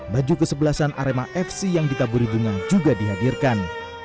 baju kesebelasan arema fc yang ditaburi bunga juga dihadirkan